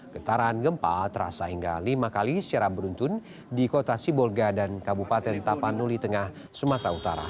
getaran gempa terasa hingga lima kali secara beruntun di kota sibolga dan kabupaten tapanuli tengah sumatera utara